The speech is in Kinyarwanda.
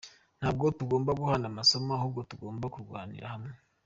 “Ntabwo tugomba guhana amasomo ahubwo tugomba kurwanira hamwe.